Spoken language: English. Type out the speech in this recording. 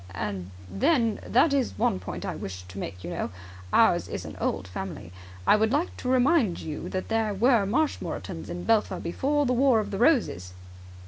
"And then, that is one point I wish to make, you know. Ours is an old family, I would like to remind you that there were Marshmoretons in Belpher before the War of the Roses."